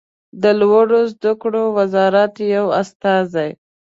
د لوړو زده کړو وزارت یو استازی